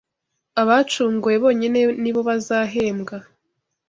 abacunguwe bonyine nibo bazahembwa